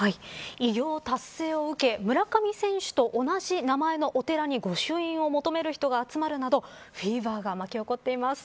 偉業達成を受け、村上選手と同じ名前のお寺に御朱印を求める人が集まるなどフィーバーが巻き起こっています。